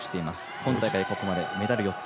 今大会はここまでメダル４つ。